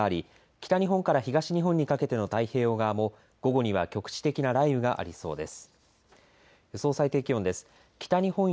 北日本から東日本にかけての太平洋側も午後には局地的な雷雨がありそうです。